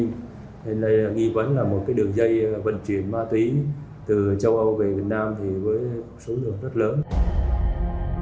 nên là nghi vấn là một đường dây vận chuyển ma túy từ châu âu về việt nam